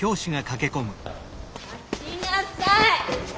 待ちなさい！